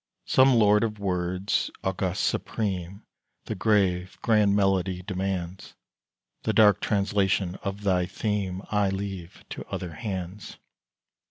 Some lord of words august, supreme, The grave, grand melody demands; The dark translation of thy theme I leave to other hands.